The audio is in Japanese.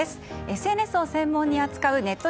ＳＮＳを専門に扱うネット